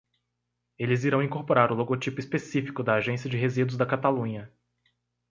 Eles irão incorporar o logotipo específico da Agência de Resíduos da Catalunha.